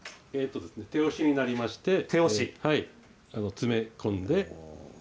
手押しになりまして詰め込んで。